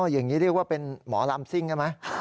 อย่างนี้เรียกว่าเป็นหมอลำซิ่งได้ไหม